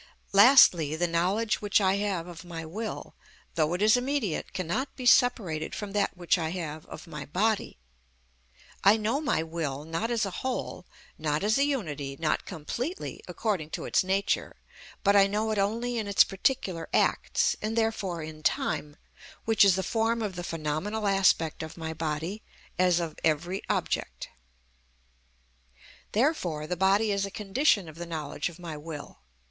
Lastly, the knowledge which I have of my will, though it is immediate, cannot be separated from that which I have of my body. I know my will, not as a whole, not as a unity, not completely, according to its nature, but I know it only in its particular acts, and therefore in time, which is the form of the phenomenal aspect of my body, as of every object. Therefore the body is a condition of the knowledge of my will.